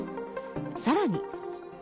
さらに。